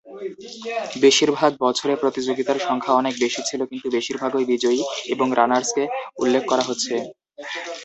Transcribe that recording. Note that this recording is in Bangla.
বেশিরভাগ বছরে প্রতিযোগিতার সংখ্যা অনেক বেশি ছিল কিন্তু বেশিরভাগই বিজয়ী এবং রানার্সকে উল্লেখ করা হচ্ছে।